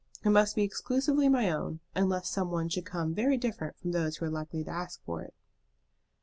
It must be exclusively my own, unless some one should come very different from those who are likely to ask for it."